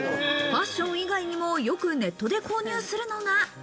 ファッション以外にもよくネットで購入するのが。